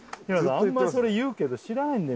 あんまりそれ言うけど知らないんだよ